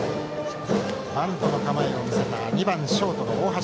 バントの構えを見せた２番ショート、大橋。